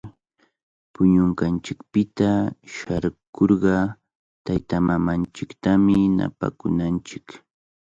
Puñunqanchikpita sharkurqa taytamamanchiktami napakunanchik.